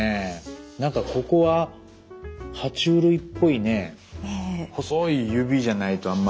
なんかここはは虫類っぽいね細い指じゃないとあんま。